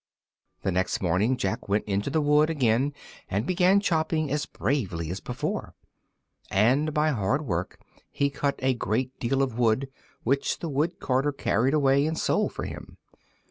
The next morning Jack went to the wood again, and began chopping as bravely as before. And by hard work he cut a great deal of wood, which the wood carter carried away and sold for him.